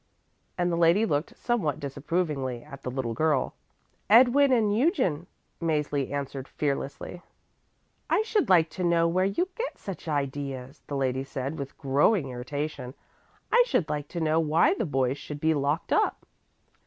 and the lady looked somewhat disapprovingly at the little girl. "Edwin and Eugen," Mäzli answered fearlessly. "I should like to know where you get such ideas," the lady said with growing irritation. "I should like to know why the boys should be locked up."